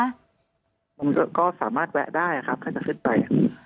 มันก็สามารถแวะได้ครับถ้าจะขึ้นไป